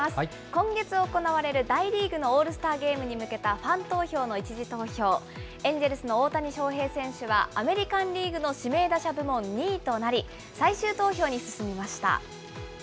今月行われる大リーグのオールスターゲームに向けたファン投票の１次投票、エンジェルスの大谷翔平選手はアメリカンリーグの指名打者部門２位となり、最終投票に進みました。